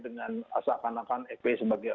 dengan seakan akan fpi sebagai